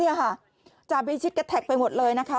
นี่ค่ะจาพิชิตแก๊กไปหมดเลยนะคะ